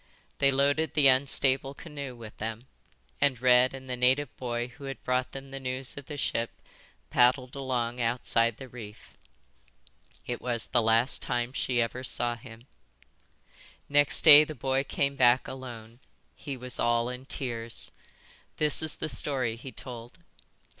They loaded the unstable canoe with them, and Red and the native boy who had brought them the news of the ship paddled along outside the reef." "It was the last time she ever saw him." "Next day the boy came back alone. He was all in tears. This is the story he told.